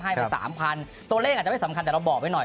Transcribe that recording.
ให้ไปสามพันตัวเลขอาจจะไม่สำคัญแต่เราบอกไว้หน่อย